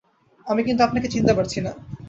আমি কিন্তু আপনাকে চিনতে পারছি না।